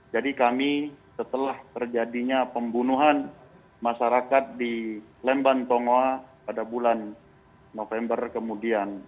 jadi kami setelah terjadinya pembunuhan masyarakat di lemban tongwa pada bulan november kemudian